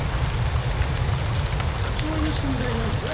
そういう存在なんだよ